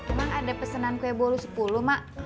emang ada pesanan kue bolu sepuluh mak